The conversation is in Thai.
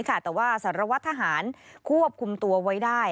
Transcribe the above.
แต่ว่าสารวัตรทหารควบคุมตัวไว้ได้